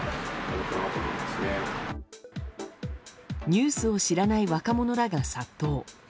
ニュースを知らない若者らが殺到。